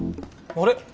あれ？